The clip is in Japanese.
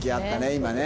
今ね。